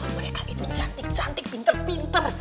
mereka itu cantik cantik pinter pinter